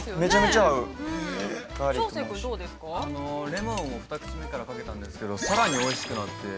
◆レモンを二口目からかけたんですけれども、さらにおいしくなって。